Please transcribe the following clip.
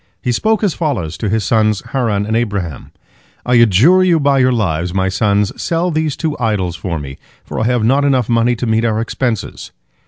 He spoke as follows to his sons Haran and Abraham, "I adjure you by your lives, my sons, sell these two idols for me, for I have not enough money to meet our expenses."